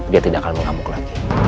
dia tidak akan mengamuk lagi